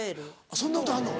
そんな歌あんの？